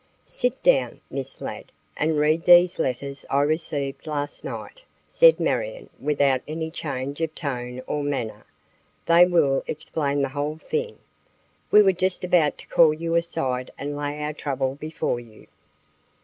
"Sit down, Miss Ladd, and read these letters I received last night," said Marion without any change of tone or manner. "They will explain the whole thing. We were just about to call you aside and lay our trouble before you."